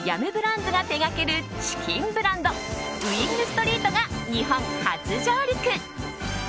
Ｂｒａｎｄｓが手掛けるチキンブランドウイングストリートが日本初上陸。